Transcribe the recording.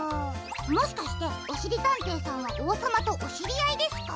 もしかしておしりたんていさんはおうさまとおしりあいですか？